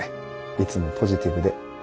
いつもポジティブで。